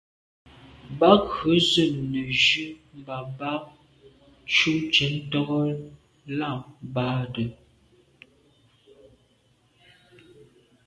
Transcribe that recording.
Bə̌k rə̌ zə̂nù nə́ jú’ mbā bɑ̀ cú cɛ̌d ntɔ́k lá bɑdə̂.